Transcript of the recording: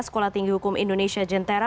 sekolah tinggi hukum indonesia jentera